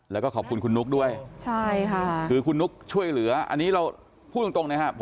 แล้วก็ขอบคุณคุณนุ๊กด้วยใช่ค่ะคือคุณนุ๊กช่วยเหลืออันนี้เราพูดตรงนะครับ